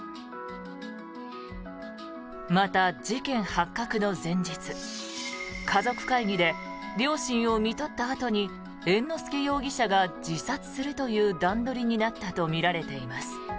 また、事件発覚の前日家族会議で両親をみとったあとに猿之助容疑者が自殺するという段取りになったとみられています。